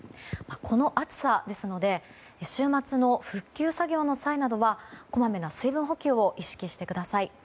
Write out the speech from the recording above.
この暑さですので週末の復旧作業の際などはこまめな水分補給を意識してください。